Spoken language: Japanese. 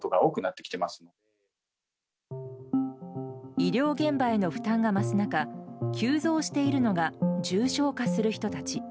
医療現場への負担が増す中急増しているのが重症化する人たち。